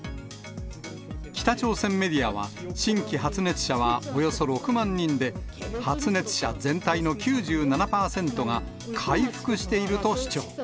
北朝鮮メディアは、新規発熱者はおよそ６万人で、発熱者全体の９７％が回復していると主張。